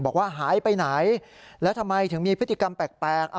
บอกว่าหายไปไหนแล้วทำไมถึงมีพฤติกรรมแปลก